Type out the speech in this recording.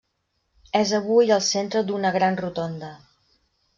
És avui al centre d'una gran rotonda.